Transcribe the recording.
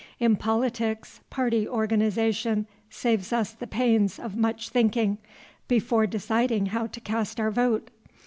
In politics party organization saves us the pains of much thinking before deciding how to cast our vote.